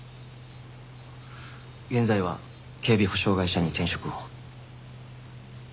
現在は警備保障会社に転職を。